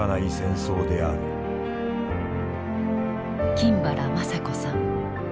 金原まさ子さん。